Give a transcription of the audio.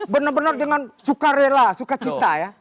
benar benar dengan suka rela suka cita ya